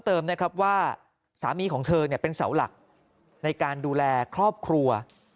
เติมนะครับว่าสามีของเธอเป็นเสาหลักในการดูแลครอบครัว